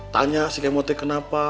tanya si kemot teh kenapa